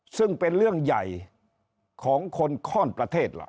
ซึ่งเป็นเรื่องใหญ่ของคนข้อนประเทศล่ะ